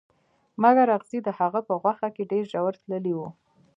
مګر اغزي د هغه په غوښه کې ډیر ژور تللي وو